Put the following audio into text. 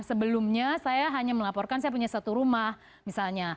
sebelumnya saya hanya melaporkan saya punya satu rumah misalnya